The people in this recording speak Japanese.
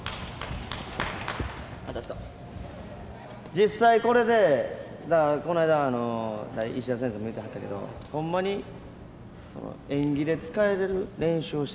実際これでこないだいしだ先生も言うてはったけどほんまに演技で使えれる練習をしてるのか。